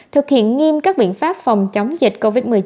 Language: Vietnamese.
thực hiện nghiêm các biện pháp phòng chống dịch covid một mươi chín